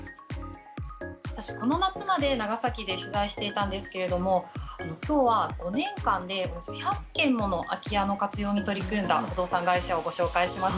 私この夏まで長崎で取材していたんですけれども今日は５年間でおよそ１００件もの空き家の活用に取り組んだ不動産会社をご紹介します。